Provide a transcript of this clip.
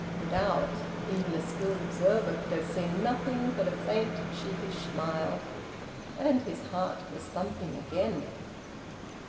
Without, even a skilled observer could have seen nothing but a faint, sheepish smile. And his heart was thumping again.